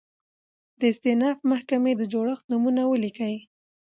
د استیناف محکمي د جوړښت نومونه ولیکئ؟